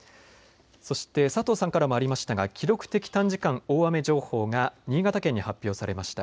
そして佐藤さんからもありましたが記録的短時間大雨情報が新潟県に発表されました。